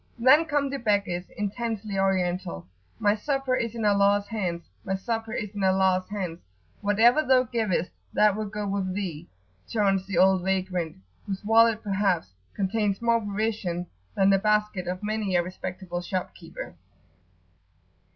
Then come the beggars, intensely Oriental. "My supper is in Allah's hands, my supper is in Allah's hands! whatever thou givest, that will go with thee!" chaunts the old vagrant, whose wallet perhaps contains more provision than the basket of many a respectable shopkeeper.